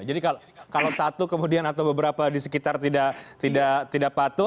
jadi kalau satu kemudian atau beberapa di sekitar tidak patuh